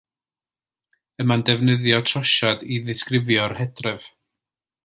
Y mae'n defnyddio'r trosiad i ddisgrifio'r hydref